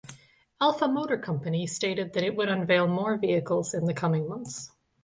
Alpha Motor Company stated that it would unveil more vehicles in the coming months.